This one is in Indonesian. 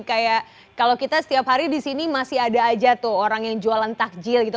kayak kalau kita setiap hari di sini masih ada aja tuh orang yang jualan takjil gitu